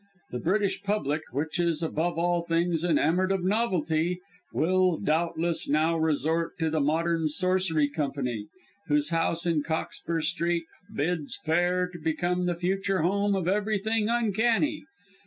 The British Public, which is above all things enamoured of novelty, will, doubtless, now resort to the Modern Sorcery Company, whose House in Cockspur Street bids fair to become the future home of everything uncanny.